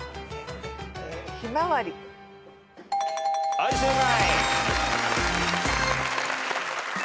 はい正解。